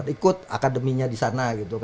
ikut akademinya di sana